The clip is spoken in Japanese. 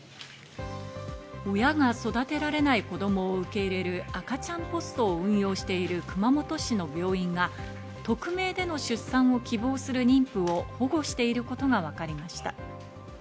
親が育てられない子供を受け入れる赤ちゃんポスト運用している熊本市の病院が匿名での出産を希望する妊婦を保護していることがわかりました。